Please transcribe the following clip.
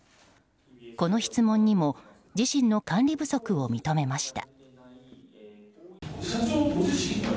この質問にも自身の管理不足を認めました。